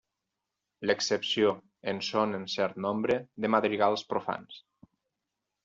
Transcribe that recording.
L'excepció en són un cert nombre de madrigals profans.